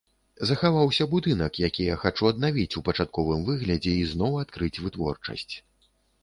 Захаваўся будынак, які я хачу аднавіць у пачатковым выглядзе і зноў адкрыць вытворчасць.